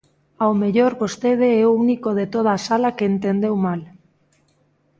Ao mellor vostede é o único de toda a sala que entendeu mal.